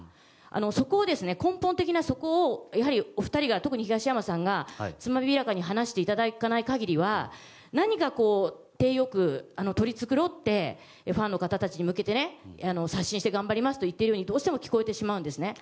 そこを根本的な、お二人が特に東山さんがつまびらかに話していただかない限りは何か体よく取り繕ってファンの方たちに向けて刷新して頑張りますと言っているように聞こえてしまうんですね。